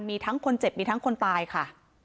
มีทั้งคนเจ็บมีทั้งคนตายค่ะ